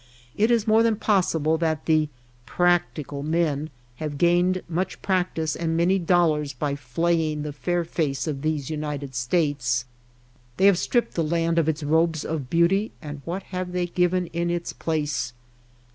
It is more than possible that the ^^ practical men^^ have gained much practice and many dol lars by flaying the fair face of these United States. They have stripped the land of its robes of beauty, and what have they given in its place